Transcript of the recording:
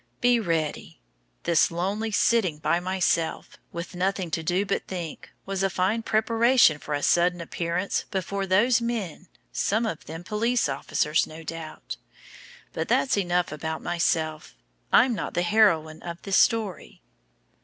Be ready! This lonely sitting by myself, with nothing to do but think was a fine preparation for a sudden appearance before those men some of them police officers, no doubt. But that's enough about myself; I'm not the heroine of this story.